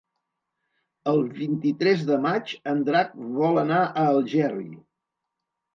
El vint-i-tres de maig en Drac vol anar a Algerri.